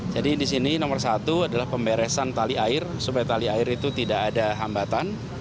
jadi di sini nomor satu adalah pemberesan tali air supaya tali air itu tidak ada hambatan